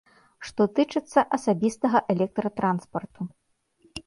Што тычыцца асабістага электратранспарту.